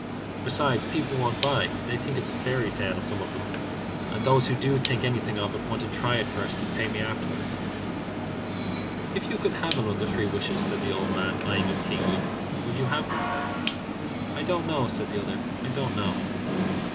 Besides, people won't buy. They think it's a fairy tale; some of them, and those who do think anything of it want to try it first and pay me afterward." "If you could have another three wishes," said the old man, eyeing him keenly, "would you have them?" "I don't know," said the other. "I don't know."